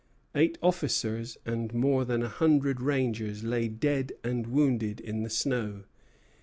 Eight officers and more than a hundred rangers lay dead and wounded in the snow.